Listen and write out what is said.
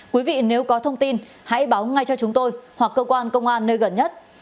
quý vị nếu có thông tin hãy báo ngay cho chúng tôi hoặc cơ quan công an nơi gần nhất